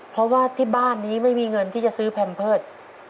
ถ้าว่าที่บ้านนี้ไม่มีเงินที่จะซื้มแพล่มเพิ่ต